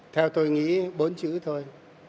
theo tôi nghĩ bốn chữ thôi